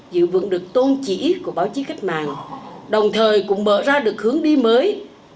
dự vững được tôn chỉ của báo chí khách mạng đồng thời cũng mở ra được hướng đi mới